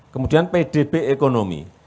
kemudian pdb ekonomi